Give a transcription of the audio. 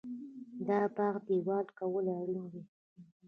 د باغ دیوال کول اړین دي؟